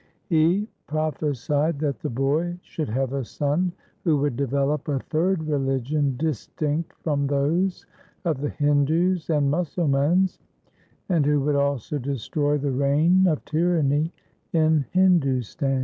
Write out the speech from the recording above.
1 He prophesied that the boy should have a son who would develop a third religion distinct from those of the Hindus and Musalmans, and who would also destroy the reign of tyranny in Hindustan.